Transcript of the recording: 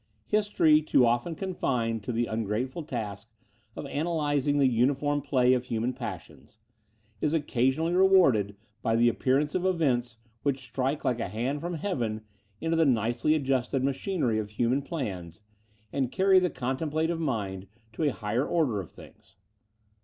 History, too often confined to the ungrateful task of analyzing the uniform play of human passions, is occasionally rewarded by the appearance of events, which strike like a hand from heaven, into the nicely adjusted machinery of human plans, and carry the contemplative mind to a higher order of things.